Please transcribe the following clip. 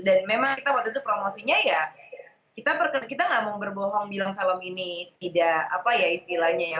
dan memang kita waktu itu promosinya ya kita tidak mau berbohong bilang film ini tidak apa ya istilahnya